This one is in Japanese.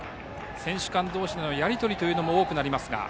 選手間同士のやり取りも多くなりますが。